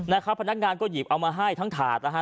นะครับพนักงานก็หยิบเอามาให้ทั้งถาดนะฮะ